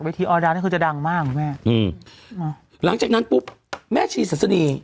ทีออดานี่คือจะดังมากคุณแม่อืมหลังจากนั้นปุ๊บแม่ชีสันสนี